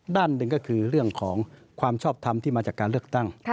ด้านหนึ่งก็คือเรื่องของความชอบทำที่มาจากการเลือกตั้ง